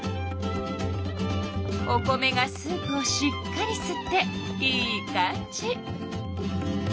お米がスープをしっかりすってイーカんじ！